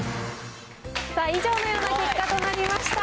さあ、以上のような結果となりました。